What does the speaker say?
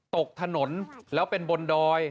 ตกถนนแล้วเป็นบนดอย